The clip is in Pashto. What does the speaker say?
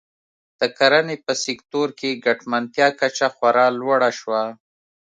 د کرنې په سکتور کې ګټمنتیا کچه خورا لوړه شوه.